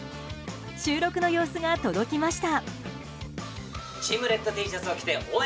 収録の様子が届きました。